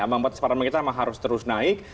ambang batas parlement kita memang harus terus naik